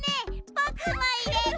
ぼくもいれて！